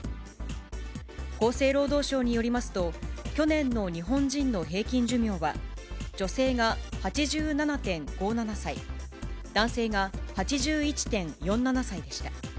厚生労働省によりますと、去年の日本人の平均寿命は、女性が８７．５７歳、男性が８１．４７歳でした。